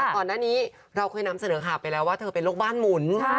ก่อนหน้านี้เราเคยนำเสนอข่าวไปแล้วว่าเธอเป็นโรคบ้านหมุน